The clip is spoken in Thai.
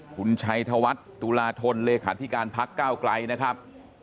คุณชัยธวัฒน์ตุลาธนเลขาธิการพักก้าวไกลนะครับ